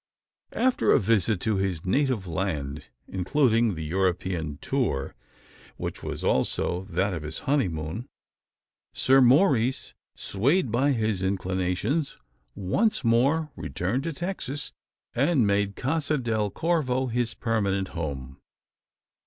After a visit to his native land including the European tour which was also that of his honeymoon Sir Maurice, swayed by his inclinations, once more returned to Texas, and made Casa del Corvo his permanent home.